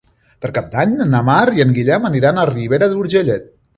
Per Cap d'Any na Mar i en Guillem aniran a Ribera d'Urgellet.